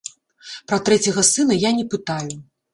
Пра трэцяга сына я не пытаю.